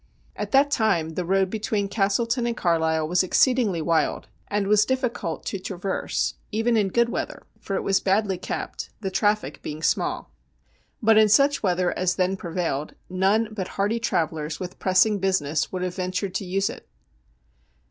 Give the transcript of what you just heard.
At that time the road between Castleton and Carlisle was exceedingly wild, and was difficult to traverse even in good weather, for it was badly kept, the traffic being small. But in THE SHINING HAND 175 sucli weather as then prevailed, none but hardy travellers with pressing business would have ventured to use it.